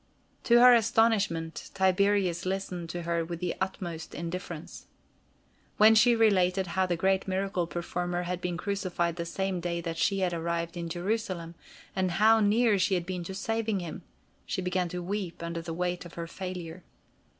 To her astonishment, Tiberius listened to her with the utmost indifference. When she related how the great miracle performer had been crucified the same day that she had arrived in Jerusalem, and how near she had been to saving him, she began to weep under the weight of her failure.